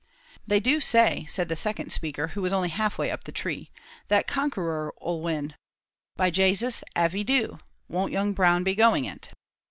"They do say," said the second speaker, who was only half way up the tree, "that Conqueror 'll win. By Jasus, av he do, won't young Brown be going it!"